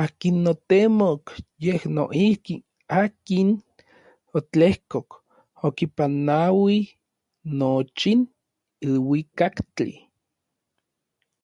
Akin otemok yej noijki akin otlejkok okipanauij nochin iluikaktli.